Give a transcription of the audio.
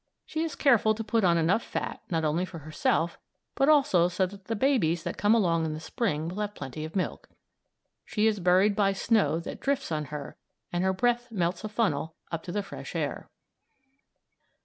She is careful to put on enough fat not only for herself, but so that the babies that come along in the Spring will have plenty of milk. She is buried by snow that drifts on her and her breath melts a funnel up to the fresh air.